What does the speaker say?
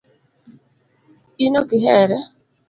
inokihere?